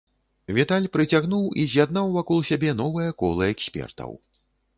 Віталь прыцягнуў і з'яднаў вакол сябе новае кола экспертаў.